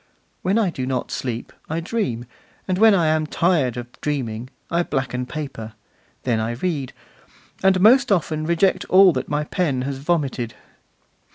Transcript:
When I do not sleep I dream, and when I am tired of dreaming I blacken paper, then I read, and most often reject all that my pen has vomited.